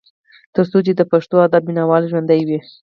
تر څو چې د پښتو ادب مينه وال ژوندي وي ۔